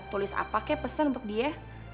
tulis apa kayak pesen untuk dia